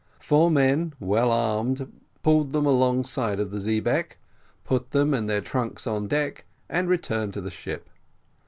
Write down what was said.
Four men well armed pulled them alongside of the xebeque, put them and their trunks on deck, and returned to the ship.